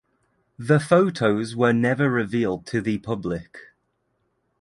The photos were never revealed to the public.